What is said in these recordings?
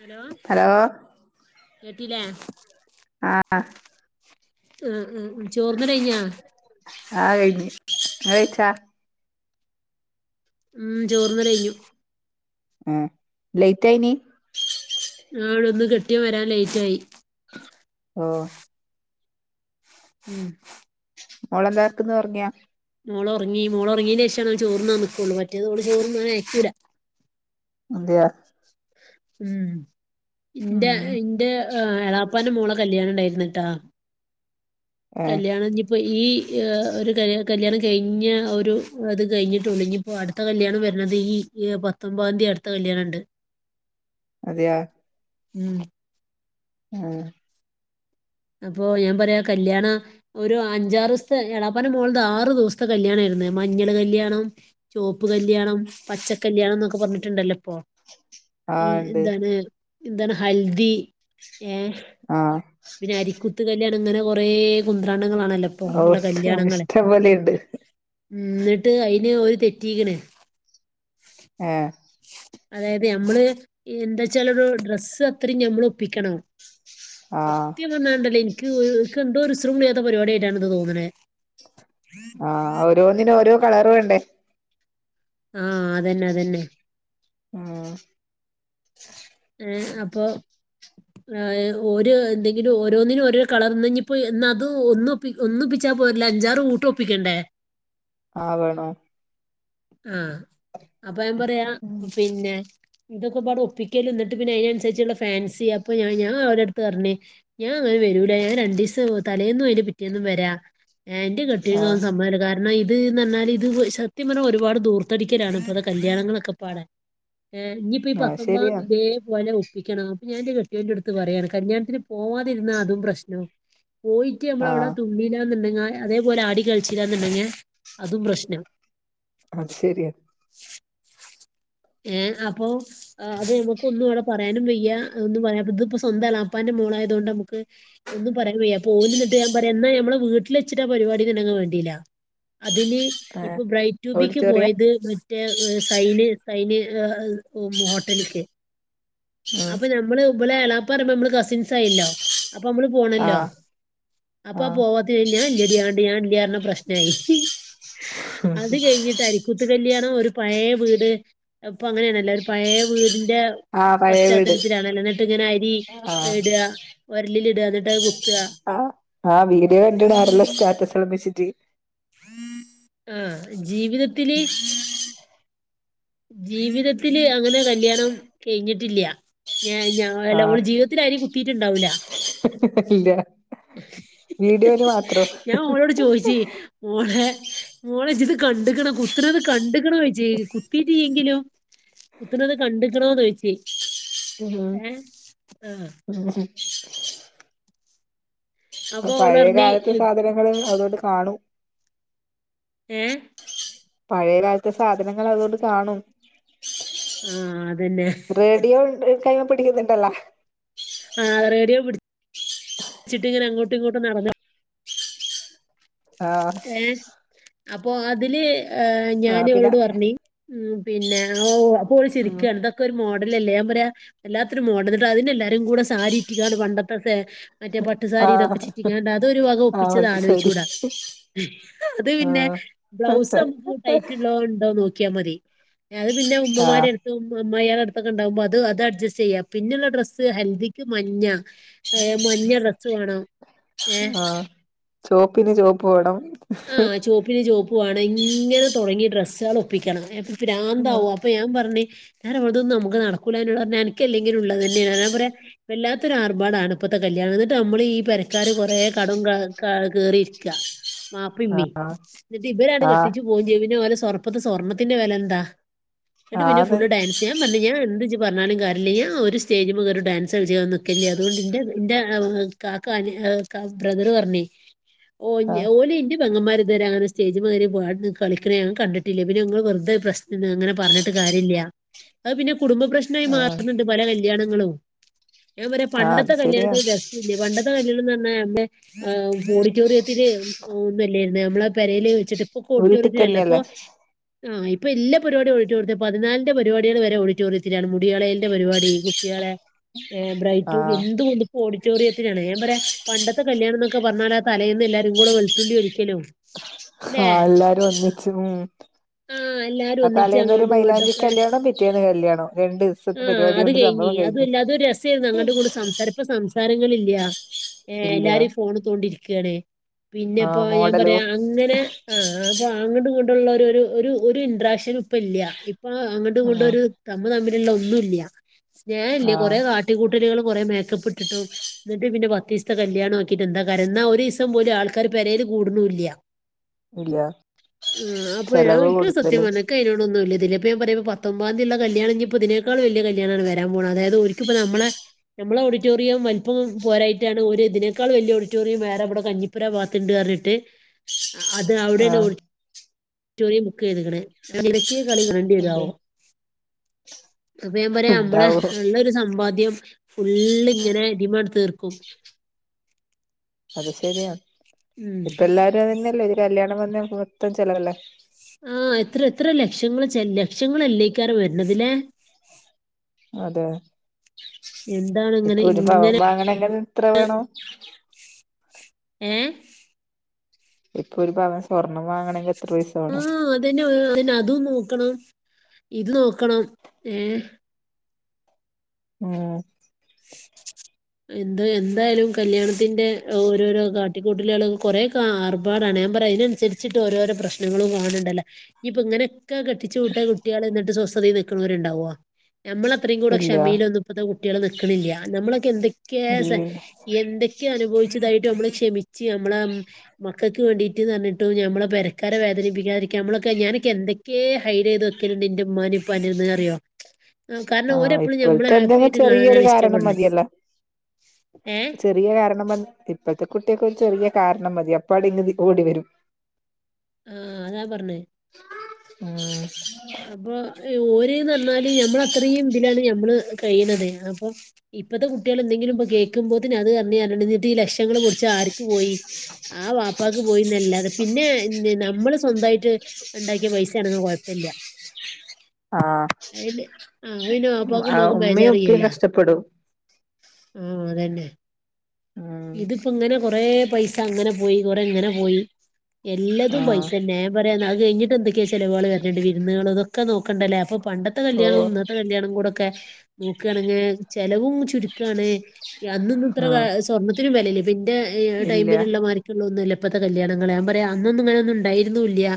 Hello കേട്ടില്ലേ? ആഹ് ആഹ് ആഹ് ചോറ്ന്നല് കഴിഞ്ഞ? ആഹ് കഴിഞ്ഞ് ഇങ്ങള് കഴിച്ച? ഉം ചോറ്ന്നല് കഴ്ഞ്ഞു ആഹ് ലെയ്റ്റായീനി? ആണ് ഇന്ന് കെട്ടിയോൻ വരാൻ ലെയ്‌റ്റായി ഓഹ് ഉം മോളെന്താക്ക്ന്ന് ഒറങ്ങിയൊ? മോളൊറങ്ങി മോള് ഒറങ്ങിയേന് ശേഷാണ് ഞാൻ ചോറ്ന്നാൻ നിക്കൊള്ളു മറ്റേത് ഓള് ചേറ്ന്നാനയക്കൂല അതെയോ? ഉം ഉം ഇന്റെ ഇന്റെ ഏഹ് എളാപ്പാൻ്റെ മോളെ കല്യാണംണ്ടായിരുന്ന്ട്ടോ ഏ കല്യാണഞ് പ്പൊ ഈ ഒരു കല്യാണം കഴിഞ്ഞ ഒരു അത് കഴിഞ്ഞിട്ടൊള്ളൂ ഇഞ്ഞി പ്പൊ അടുത്ത കല്യാണം വെരുണത് ഈ പത്തൊമ്പാതീ അടുത്ത കല്യാണണ്ട്. അതെയോ ഉം ഉം അപ്പൊ ഞാൻ പറയാ കല്യാണ ഒരു അഞ്ചാറുസ്ത്തെ എളാപ്പാൻ്റെ മോൾത് ആറ് ദിവസത്തെ കല്യാണേര്ന്ന് മഞ്ഞള് കല്യാണം ചോപ്പ് കല്യാണം പച്ച കല്യാണം ന്നൊക്കെ പർഞ്ട്ട്ണ്ടല്ലോ പ്പൊ ആ ഉം ഇണ്ട് എന്താണ് എന്താണ് ഹൽദി ഏ ആഹ് പിന്നെ അരിക്കുത്ത് കല്യാണം ങ്ങനെ കൊറെ കുന്ത്രാണ്ടങ്ങളാണല്ലോപ് ഓ ഷ്‌ ഇഷ്ടംപൊലെണ്ട് ന്ന്ട്ട് അയ്ന് ഓല് തെറ്റിക്ക്‌ണ് ഏഹ് അതായത് ഞമ്മള് എന്താച്ചാലൊരു ഡ്രസ്സ് അത്രി ഞമ്മള് ഒപ്പിക്കണം [inaudible] സത്യം പർഞാ ണ്ടല്ലേ ഇൻക്ക് ഇൻക്കെന്തോ ഉസ്രും പുളില്ലാത്ത പരിപാടിയായിട്ടാണ് ഇത് തോന്ന്ണത് ആഹ് ഓരോന്നിനോരോ കളറ് വേണ്ടേ ആഹ് അതെന്നതെന്നെ ആഹ് ഉം അപ്പോ എ ഓര് എന്തെങ്കിലും ഓരോന്നിനും ഓരോരോ കളറ് ന്ന്ഞ്ഞിപ്പോ ഇന്നത് ഒന്നും പ്പി ഒന്നൊപ്പിച്ചാ പോരല്ലൊ അഞ്ചാറ് കൂട്ട് ഒപ്പിക്കണ്ടേ ആ വേണോ ആഹ് അപ്പ ഞാ പറയാ ഉം പിന്നെ ഇതൊക്കെപാടെ ഒപ്പിക്കല് ന്ന്ട്ട് പിന്നെ അയ്നൻസരിച്ച്ള്ള ഫാൻസി അപ്പൊ ഞാ ഞാൻ ഓലെട്ത്ത് പർഞ് ഞാ അങ്ങനെ വെരൂല ഞാ രണ്ടീസം തലേന്നും അയ്ന്റെ പിറ്റേന്നും വെരാ എ ഇന്റെ ആ കെട്ട്യോൻക്കൊന്നും സമ്മതല്ല കാരണം ഇത്ന്ന് പർഞ്ഞാല് ഇത് സത്യം പർഞ്ഞ ഒരു പാട് ദൂർത്തടിക്കലാണ് ഇപ്പത്തെ കല്യാണങ്ങളൊക്കെപ്പാടെ എ ഞ്ഞി പ്പ ആ ശരിയാ പത്തൊമ്പതാന്തി ഇതേപോലെ വെ പ്പിക്കണം അപ്പൊ ഞാന്റെ കെട്ട്യോന്റെട്ത്ത് പറയാണ് കല്യാണത്തിന് പോവാതിരുന്ന അതും പ്രശ്നം പോയി റ്റ് ആ ഞമ്മളവടെ തുള്ളിലാന്ന്ണ്ടെങ്കെ അതേപോലെ ആടി കളിച്ചിലാന്ന്ണ്ടെങ്കെ അതും പ്രശ്നം അത് ശെരിയ [inaudible] ഏ അപ്പൊ ആ അത് ഞമ്മക്കൊന്നും അവടെ പറയാനും വെയ്യ ഒന്നും പറയാ ഇത്പ്പൊ സ്വന്തം എളാപ്പാന്റെ മോളായതോണ്ട് ഞമ്മക്ക് ഒന്നും പറയാനും വെയ്യ പോല്ന്ന്ട്ട് ഞാ പറയാ ന്നാ ഞമ്മളെ വീട്ടില് വെച്ചിട്ടാ പരിപാടിന്ന്ണ്ടെങ്കി വേണ്ടീല്ല അതിന് ഏ ഇപ്പൊ ബ്രൈ ട്യൂബിക്ക് ഓഡിറ്റോറിയ പോയത് മറ്റേ സൈന് അയ്ന് [unintelligible] ഹോട്ടല്ക്ക് ഉം അപ്പൊ ഞമ്മള് ഇവലെ എളാപ്പർയുമ്പൊ ഞമ്മള് കസിൻസായില്ലോ അപ്പ മ്മള് ആ പോണല്ലോ അപ്പ ആ പോവാ ഞ ഇല്ലെടി ആണ്ട് ഞാൻ ഇല്ല്യാ പർഞ പ്രശ്നായി അത് കഴിഞ്ഞിട്ട് അരി കുത്ത് കല്ല്യാണം ഒരു പഴേ വീട് അത് പ്പൊ അങ്ങനേണല്ലൊ ഒരു പഴേ വീടിന്റെ ആ പഴയ വീട് പശ്ചാത്തലത്തിലാണല്ലൊ ന്ന്ട്ട്ങ്ങനെ അരി ആ ഇട ഒരലിൽ ഇട ന്ന്ട്ടത് കുത്ത ആഹ് വീഡിയോ കണ്ട്ണ് ആരെല്ലോ സ്റ്റാറ്റസെല്ലം വെച്ച്ട്ട് ആഹ് ജീവിതത്തില് ജീവിതത്തില് അങ്ങനെ കല്യാണം കെയ്ഞ്ഞിട്ടില്ല ഞ ഞ അല്ല ഓള് ആഹ് ജീവിത ത്തിലരി കുത്തീറ്റ്ണ്ടാവൂല്ലാ ഇല്ല വീഡിയോല് മാത്രം ഞാൻ ഓളോട് ചോദിച്ച് മോളെ മോളെജിത് കണ്ട്ക്കണാ കുത്തണത് കണ്ട്ക്കണാ ചോയിച്ച് കുത്തീട്ടില്ലെങ്കിലും കുത്തണത് കണ്ട്ക്കണോന്ന് ചോയിച്ച് ഏഹ് ആഹ് ഉം അപ്പൊ ഓള് പഴയ പറഞ്ഞ് കാലത്തെ സാധനങ്ങള് അതുകൊണ്ട് കാണും ഏഹ് പഴയ കാലത്തെ സാധനങ്ങള് അത് കൊണ്ട് കാണും ഉം അതന്നെ റേഡിയോ ഇണ്ട് കൈയ്യ്മ്മെ പിടിക്കുന്നുണ്ടല്ലോ ആഹ് റേഡിയോ പിടിച്ചിട്ടിങ്ങനെ അങ്ങോട്ടും ഇങ്ങോട്ടും നടന്ന് ആഹ് ഏഹ് അപ്പൊ അതില് ഏഹ് ആഹ് ഞാന് പിന്നെ ഇവളോട് പറഞ്ഞ് ഉം പിന്നെ ഓഹ് അപ്പ ഓള് ഉം ചിരിക്കാണ് ഇതൊക് ക്കൊരു മോഡലല്ലേ ഞാൻ പറയാ വല്ലാത്തൊരു മോഡല് ഇന്നട്ട് അതിനെ എല്ലാരും കൂടെ സാരിറ്റിങ്ങാണ്ട് പണ്ടത്തെ സേ മറ്റേ പട്ടുസാരി ആഹ് ഇതൊക്കെ ചുറ്റിങ്ങാണ്ട് അതൊരു വക ആഹ് ഒപ്പിച്ചത് അത് ശരി ആലോയിച്ചൂടാ അത് പിന്നെ ആഹ് ബ്ലൗസ് നമ്മക്ക് ടൈറ്റ്ള്ളെ ഇണ്ടോ നോക്കിയാ മതി ഇനി അത് പിന്നെ ആഹ് ഉമ്മമാരെട് ത്തും അമ്മായിയെളെടുത്തൊക്കെ ഇണ്ടാവുമ്പോ അത് അത് അഡ്ജസ്റ്റ് ചെയ്യാ പിന്നെള്ള ഡ്രസ്സ് ഹൽദിക്ക് മഞ്ഞാ ഏഹ് മഞ്ഞ ഡ്രസ്സ്‌ വേണം ഏഹ് ആഹ് ചോപ്പിന് ചോപ്പ് വേണം ആഹ് ചോപ്പിന് ചോപ്പ് വേണം ഇങ്ങനെ തൊടങ്ങി ഡ്രസ്സുകൾ ഒപ്പിക്കണം ഏഹ് അപ്പൊ ആഹ് പ്രാന്താവും അപ്പൊ ഞാ പറഞ്ഞ് ഞാൻ ഓളതൊന്നും നമുക്ക് നടക്കൂലാ എന്നോട് പറഞ്ഞ് അനിക്കല്ലെങ്കിലും ഇള്ളതെന്നെയാ ഞാ പറയാ വല്ലാത്തൊരു ആർഭാടാണ് ഇപ്പത്തെ കല്യാണം എന്നിട്ട് നമ്മളീ പെരക്കാര് കൊറെ കടും ക കേറിയിരിക്കാ മാപ്പിമ്മി ഇന്നിട്ട് ഇവരാട് ആഹ് കെട്ടിച്ചു പോവും ചെയ്യും പിന്നെ ഓലെ സ്വർപ്പ ഇപ്പത്തെ സ്വർണ്ണത്തിന്റെ വെല എന്താ? ഇന്നട്ട് പിന്നെ ആന്ന് ഫുള്ള് ഡാൻസ്യാ ൻ പറഞ്ഞ് ഞാൻ എന്ത് ഇജ് പറഞ്ഞാലും കാര്യല്ല ഞാൻ ഒരു സ്റ്റേജ് മേൽ ഒരു ഡാൻസ് കളിച്ച് നിക്കല്ലേ അതുകൊണ്ട് ഇന്റെ ഇന്റെ [unintelligible] കാക്ക അനി ബ്രദറ് പറഞ്ഞ് ഓ ആഹ് ഓലെ ഇന്റെ പെങ്ങന്മാര് ഇതുവരെ അങ്ങന സ്റ്റേജ്‌മേകേറേ പാടേ കളിക്കണേ ഞാൻ കണ്ടിട്ടില്ല പിന്നെങ്ങൾ വെർതെ പ്രശ് അങ്ങനെ പറഞ്ഞിട്ട് കാര്യല്ലാ അത് പിന്നെ കുടുംബപ്രശ് നായി ആഹ് മാറ്ണ് ണ്ട് പല കല്യാണങ്ങളും ഞാൻ പറയാ ആഹ് അത് പണ്ടത്തെ ശരിയാണ് കല്യാണത്തിൻ്റെ രസ് ല്ല പണ്ടത്തെ കല്യാണന്ന് പറഞ്ഞാ എൻ്റെ ഏഹ് ഓഡിറ്റോറിയത്തില് [unintelligible] ഒന്നു അല്ലായിരുന്നു നമ്മളെ പെരേല് വെച്ചിട്ട് ഇപ്പൊക്കെ ഉരുട്ടി ഓഡിറ്റോറിയത്തിലല്ലേ അപ്പൊ തന്നെയല്ലേ ആഹ് ഇപ്പ എല്ലാ പരിപാടി ഓഡിറ്റോറിയത്തി പതിനാലിന്റെ പരിപാടികൾ വരെ ഓഡിറ്റോറിയത്തിലാണ് മുടികളയളലിന്റെ പരിപാടി കുട് കുട്ട്യാളെ ഏഹ് ബ്രൈ റ്റുബി ആഹ് എന്ത് കുന്തോ ഓഡിറ്റോറിയത്തിലാണ് ഞാൻ പറയാ പണ്ടത്തെ കല്യാണന്നൊക്കെ പറഞ്ഞാല് ആ തലേന്ന് എല്ലാരും കൂടെ വെളുത്തുള്ളി തൊലിക്കലും ആഹ് എല്ലാരും ഒന്നിച്ച് ഉം ആഹ് എല്ലാരും ആഹ് ഒന്നിച്ച് തലേന്ന് ഒരു അങ്ങോട്ടും മൈയിലാഞ്ചി ഇങ്ങോട്ടൊക്കെ കല്യാണം പിറ്റേന്ന് കല്യാണം രണ്ട് സ് ആഹ് അത് കഴിഞ്ഞി അതു അല്ലാ അത് ഒര് രസായിരുന്നു അങ്ങടും ഇങ്ങടും സംസാര ഇപ്പ സംസാരങ്ങളില്ലാ ഏഹ് ഇല്ല എല്ലാരും ഈ ഫോണ് തോണ്ടിരിക്കാണ് ആ പിന്നെപ്പോ ഞാൻ മോഡലോ പറയാ അങ്ങനെ ആഹ് അപ്പൊ അങ്ങട്ടും ഇങ്ങട്ടുള്ള ഒരു ഒര് ഒരു ഇൻട്രാക്ഷനും ഇപ്പ ഇല്ലാ ഇപ്പൊ അങ്ങട്ടും ആ ഇങ്ങട്ടൊരു തമ്മ് തമ്മിലുള്ള ഒന്നുല്ല്യാ ആ സ്നേഹല്യാ കൊറെ കാട്ടിക്കൂട്ടലുകളും കൊറെ മേക്കപ്പ്ട്ടിട്ടും ന്നിട്ട് പിന്നെ പത്തീസ്ത്തെ കല്യാണം ആക്കീട്ട് എന്താ കാര്യം എന്നാ ഒരീസം പോലും ആൾക്കാര് പെരേല് കൂടണൂല്ലാ ഇല്ല ആഹ് അപ്പൊ ഞാൻ ചെലവ് ഇക്ക് സത്യം കൂടുതല് പറഞ്ഞാ ക്കയനോടൊന്നും വല്യേതില്ല. പ്പ ഞാ പറയ്മ്പോ പത്തൊമ്പതാന്തിള്ള കല്യാണ ഇനി പ്പോ ഇതിനേക്കാ വല്യ കല്യാണാണ് വരാൻ പോണ. അതായത് ഓൽക്ക്പ്പോ നമ്മളെ നമ്മളെ ഓഡിറ്റോറിയം വൽപ്പം പോരായിട്ടാണ് ഓര് ഇതിനേക്കാൾ വെല്യ ഓഡിറ്റോറിയം വേറെ ഇവിടെ കഞ്ഞി പുരാവാർത്തിട്ട് പറഞ്ഞിട്ട് അത് ആ അവിടെണ് ഓടി ഓടിറ്റോറിയം ബുക്കെയ്തിക്ക്ണ്. എങ്ങനെക്കേ കളി കാൺണ്ടി അതെ വര്യാവോ? അപ്പ ഞാൻ പറയാ ഇമ്മളെ ഉണ്ടാവും ഇള്ളൊരു സമ്പാദ്യം ഫുള്ള് ഇങ്ങനെ ഇതിമ്മാണ്ട് തീർക്കും അത് ശരിയ ഉം ഇപ്പ എല്ലാരും അതന്നെയല്ലേ ഒരു കല്യാണം വന്ന മൊത്തം ചെലവല്ലേ. ആ എത്ര എത്ര ലക്ഷങ്ങൾ ചെല്ല ലക്ഷങ്ങളല്ലേക്കാരം വര്ണത് ല്ലേ? അതെ എന്താണ് ഇങ്ങനെ ഇപ്പൊ ഒരു പവൻ ഇങ്ങനെ [unintelligible] എത്ര വേണം. ഏഹ് ഇപ്പൊ ഒരു പവൻ സ്വർണ്ണം വാങ്ങണങ്കി എത്ര പൈസ വാണം. [unintelligible] അതും നോക്കണം ഇത് നോക്കണം ഏ ഉം എന്ത എന്തായാലും കല്യാണത്തിന്റെ ഓരോരോ കാ ട്ടിക്കൂട്ടല്കളും കൊറെക്കെ ആർപാടാണ് ഞാൻ പറയ അതിനൻസരിച്ച്ട്ട് ഓരോരോ പ്രശ്നങ്ങളും തോനണ്ടല്ല. ഇഞ്ഞിപ്പ ഇങ്ങനക്കെ കെട്ടിച്ച് വിട്ട കുട്ട്യള് ഇന്നട്ട് സ്വസ്ഥതേ നിക്ക്ണോര്ണ്ടാവോ. ഞമ്മള അത്രയും കൂടെ ഇല്ല ക്ഷമേലൊന്നും ഇപ്പത്തെ കുട്ട്യള് നിക്ക്ണില്ല നമ്മളൊക്കെ എന്തക്കെ ഇല്ല സ എന്തക്കെ അനുഭവിച്ചതായിട്ട് നമ്മള് ക്ഷമിച്ച് നമ്മളേം മക്കൾക്ക് വേണ്ടീട്ട്ന്ന് പർഞ്ഞിട്ട് ഞമ്മളെ പെരക്കാര വേനിപ്പിക്കാതിരിക്കാ നമ്മളൊക്കെ ഞാനക്ക എന്ത ക്കേ ഹൈഡ് ചെയ്ത് വക്കല്ണ്ട് ഇന്റെ ഇമ്മാനി ഇപ്പാൻ്റെന്ന് അറിയോ. കാരണം ആ ഓരെപ്പളും ഞമ്മളെ ഇപ്പോഴത്തെ ഹാപ്പി എന്തെങ്കി ആയിട്ട് ചെറിയൊരു കാണാനാണ് കാ രണം ഇഷ്ടപ്പെടണെ മതിയല്ല ഏഹ് ചെറിയ കാരണം [unintelligible] ഇപ്പോഴത്തെ കുട്ടിയക്ക് ഒരു ചെറിയ കാരണം മതി അപ്പാടെ ഇങ്ങ് ഓടി വരും. ആ അതാ പർഞ്ഞേ ആഹ് അപ്പോ ഓല് ന്നർഞ്ഞാല് ഞമ്മള അത്രയും ഇതിലാണ് ഞമ്മള് കഴിയണത് അപ്പോ ഇപ്പഴത്തെ കുട്ടികൾ എന്തെങ്കിലും ഇപ്പൊ കേൾക്കുമ്പോത്തിന് അത് ന്നർഞ്ഞ് ന്നട്ട് ഈ ലക്ഷങ്ങള് പൊടിച്ച ആർക്ക് പോയി ആ വാപ്പാക്ക് പോയിന്നല്ലാതെ പിന്നെ നമ്മള് സ്വന്തായിട്ട് ഇണ്ടാക്കിയ പൈസ ആണെങ്കി കൊഴപ്പല്ല. ആഹ് അയ്ന് ആ [unintelligible] വാപ്പാക്കും ആഹ് ഇമ്മാക്കും ഉമ്മയും ഉപ്പയും ബേജാറില്ലല്ല. കഷ്ടപ്പെടും ആ അതന്നെ ഉം ഇതിപ്പോ ഇങ്ങനെ കൊറേ പൈസ അങ്ങനെ പോയി കൊറെ ഇങ്ങനെ പോയി എല്ലതും ആഹ് പൈസന്നെ [unintelligible] അഹ് കഴിഞ്ഞിട്ട് എന്തക്കെ ചെലവുകൾ വര്ന്ണ്ട് വിരുന്നുകൾ ഇതൊക്കെ നോക്കണ്ടല്ലേ അപ്പൊ പണ്ട ന്നത്തെ ഓ കല്യാണും ഇന്നത്തെ കല്യാണം കൂടെക്കെ നോക്കാണെങ്കി ചെലവും ചുരുക്കാണ് അന്നൊന്നും ഇത്ര ആഹ് ഏ സ്വർണ്ണത്തിനും വെലല്ലേ ഇപ്പ ഇൻ്റെ ഇല്ല ടൈമില്ള്ള മാരി [unintelligible] ഇപ്പത്തെ കല്യാണങ്ങള് ഞാൻ പറയാ അന്നൊന്നും ഇങ്ങനെ ഉണ്ടായിരുന്നുല്ല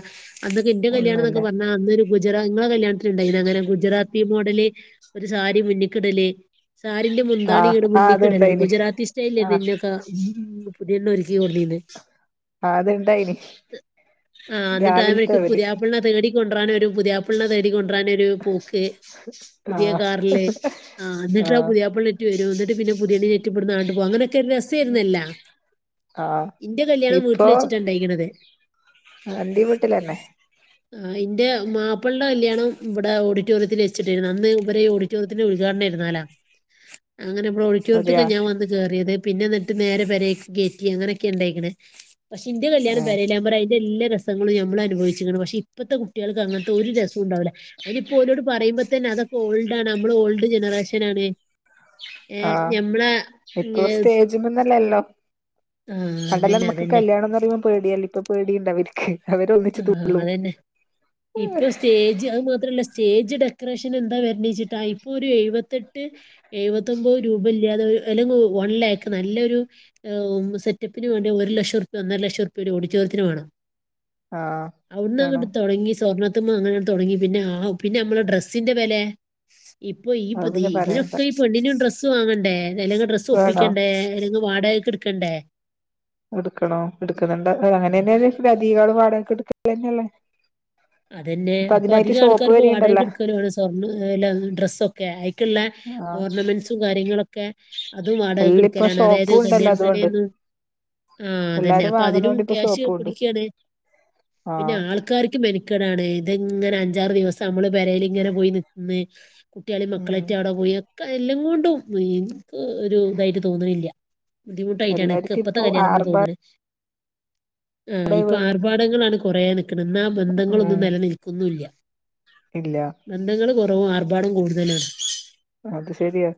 അന്നൊക്കെ ഇന്റെ ഒന്നുല്ല കല്യാണന്നൊക്കെ പർഞ്ഞാ അന്നൊരു ഗുജറാ ഇങ്ങളെ കല്യാണത്തിന്ണ്ടായിനോ അങ്ങനെ ഗുജറാത്തി മോഡല് ഒരു സാരി മുന്നിക്കിടല്? സാരിന്റെ മുന്താണി ആഹ് ഇങ്ങട് ആഹ് മുന്നിക്കിടല അത്ണ്ടായിന് ഗുജറാത്തി സ്റ്റയ്ലേര്ന്നു ആഹ് ഇന്നക്കെ [unintelligible] പുതിയണ്ണ് ഒരുക്കി കൊടുന്നീന്നേ. അത്ണ്ടായിന് ഹ് ആ ഇന്നട്ട് രാവിലത്തെ [unintelligible] അവര് പുതിയാപ്പൾനേ തേടി കൊണ്ട്രാനൊരു പുതിയാപ്പൾനെ തേടി കൊ ണ്ട്രനൊരു പോക്ക് പുതിയ ആഹ് കാറില് ആ ഇന്നട്ട് അഹ് ആഹ് പുതിയാപ്പൾനെ വരും ഇന്നട്ട് പിന്നേ പുതിയണ്ണിനേറ്റ് ഇബട്ന്ന് ആണ്ട് പോകും അങ്ങനെ ക്കെ രസായിരുന്നല്ല ആഹ് ഇന്റെ കല്യാണം വീട്ടിൽ വെച്ചിട്ട ഇണ്ടായിക്ക്ണത്. ആ അന്റി വീട്ടിലന്നെ ആ ഇൻ്റെ മാപ്പ്ൾടെ കല്യാണം ഇവടെ ഓഡിറ്റോറിയത്തില് വെച്ചിട്ടര്ന്നു. അന്ന് ഇവരെ ഓഡിറ്ററിയത്തിൻ്റെ ഉദ്ഘാടനാരുന്നല അങ്ങനെ [unintelligible] അതെയാ [unintelligible] ഞാൻ വന്ന് കേറിയത് പിന്നെ എന്നിട്ട് നേരെ പെരേക്ക് കേറ്റി അങ്ങനക്കെ ഇണ്ടായിക്ക്ണ് പക്ഷെ ഇൻ്റെ കല്യാണം പെരേലാവുമ്പറിയ എല്ലാ രസങ്ങളും നമ്മൾ അനുഭവിച്ചിക്ക്ണ് പക്ഷെ ഇപ്പത്തെ കുട്ടികൾക്ക് അങ്ങൻത്തെ ഒരു രസുണ്ടാവുല. അതിനിയിപ്പലോ പറയുമ്പ തന്നെ അതക്കെ ഓൾഡണ് നമ്മള് ഓൾഡ് ജനറേഷൻ ആണ് ഏയ് ആഹ് ഞമ്മളെ ഇപ്പൊ ഏഹ് സ്റ്റേജന്നല്ലല്ലോ ആഹ് എല്ല [unintelligible] അതന്നെ നമുക്ക് അതന്നെ കല്യാണംന്ന്റിയ പേടിയല്ലേ ഇപ്പ പേടിണ്ടാവൂല അവര് ഒന്ന് [unintelligible] അതന്നെ ഇപ്പൊ സ്റ്റേജ് അത് മാത്രല്ല സ്റ്റേജ് ഡെക്കറേഷൻ എന്താ വരണച്ചിട്ടാ ഇപ്പൊ ഒരു എഴുപത്തെട്ട് എഴുപത്തൊൻമ്പത് രൂപ ഇല്ലാതെ അല്ലെങ്ക വൺ ലാക്ക് നല്ലൊരു സെറ്റപ്പിന് വേണ്ടി ഒരു ലക്ഷഉരുപ്യ ഒന്നര ലക്ഷംഉരുപ്യ ഒരു ഓഡിറ്റോറിയത്തിന് വേണം ആഹ് അവിന്ന് അങ്ങട്ട് തുടങ്ങി സ്വർണ്ണത്ത അങ്ങന തുടങ്ങി പിന്നെ ആഹ് പിന്നെ നമ്മെ ഡ്രസ്സിന്റെ വെലെ ഇപ്പൊ ഈ അത് [unintelligible] പിന്നെ പറയണ്ട ഇതിനൊക്കെ ഈ പെണ്ണിനും ഡ്രസ്സ് വാങ്ങണ്ടേ നില ഡ്ര വേണോ സൊപ്പിക്കണ്ടേ അല്ലെങ്ക വാടകൊക്കെ എടുക്കണ്ടേ എടുക്കണോ എടുക്കുന്നുണ്ട് ആഹ് അങ്ങനെ അപ്പൊ തന്നെയല്ല അധക പാടൊക്കെ എടുത്ത തന്നെയല്ലേ അതന്നെ ഇപ്പൊ അപ്പൊ അതിനായിട്ട് അധിക ഷോപ്പ് ആൾക്കാർ ഇപ്പോ വരെയുണ്ടല്ലോ വാടകെടുക്കല സ്വർണ്ണ ഡ്രസ്ക്കെ അയിക്കുള്ള ആ ഓർണമെന്റ്സും കാര്യങ്ങളൊക്കെ അതും എല്ലാം ഇപ്പൊ വാടകെടുക്കലാണ് അതായത് ഷോപ്പും കല്യാ ഉണ്ടല്ലോ അതുകൊണ്ട് തലന്ന് ആഹ് അതന്നെ എല്ലാരും അപ്പൊ അതിനും വാങ്ങുന്നോണ്ട് ക്യാഷ് പിടിക്കാണ് പിന്നെ ആഹ് ആൾക്കാർക്ക് മെനക്കടാണ് ഇത്ങ്ങനെ അഞ്ചാറ് ദിവസം നമ്മള് പെരേൽ ഇങ്ങനെ പോയി നിന്ന് കുട്ടികളി ഉം മക്കളറ്റ അവിടെ പോയി ഒക്കെ എല്ലാം കൊണ്ടും ഒരു ഇതായിട്ട് തോന്നുന്നില്ല ബുദ്ധിമുട്ടായിട്ടാണ് ഇക്ക് എല്ലാർക്കും ഇപ്പഴത്തെ ഇപ്പൊ കല്യാണം തോന്നുന്നത് ആർഭാടേ ആഹ് ഇപ്പൊ വേണ്ട ആർഭാടങ്ങളാണ് കൊറേ നിക്ക്ണ് ന്ന ആ ബന്ധങ്ങളൊന്നും ഉം നെലനിൽക്കുന്നുല്ല ഇല്ല ബന്ധങ്ങള് കുറവും ആർഭാടം കൂടുതലാണ് അത് ശെരിയാ